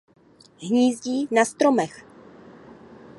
Hnízdí na stromech.